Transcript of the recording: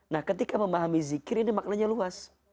nah ketika memahami zikir ini maknanya luas